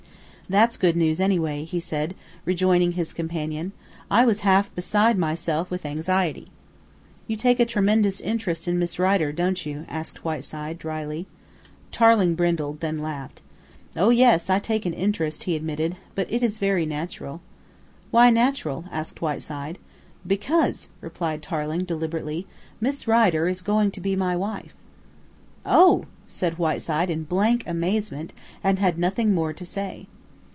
"That's good news, anyway," he said, rejoining his companion. "I was half beside myself with anxiety." "You take a tremendous interest in Miss Rider, don't you?" asked Whiteside dryly. Tarling brindled, then laughed. "Oh, yes, I take an interest," he admitted, "but it is very natural." "Why natural?" asked Whiteside. "Because," replied Tarling deliberately, "Miss Rider is going to be my wife." "Oh!" said Whiteside in blank amazement, and had nothing more to say.